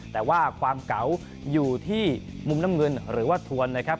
แต่ว่าความเก่าอยู่ที่มุมน้ำเงินหรือว่าทวนนะครับ